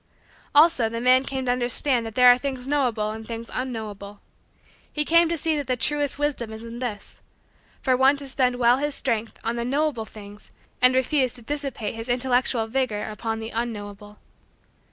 Also the man came to understand that there are things knowable and things unknowable. He came to see that truest wisdom is in this: for one to spend well his strength on the knowable things and refuse to dissipate his intellectual vigor upon the unknowable.